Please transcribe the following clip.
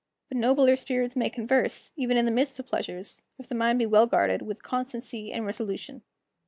But nobler spirits may converse, even in the midst of pleasures, if the mind be well guarded with constancy and resolution.